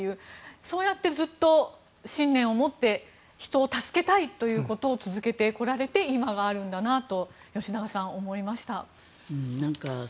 そうやって、ずっと信念を持って人を助けたいということを続けてこられて今があるんだなと吉永さん、思いました。